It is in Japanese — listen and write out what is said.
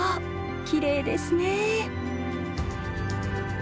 きれいですね。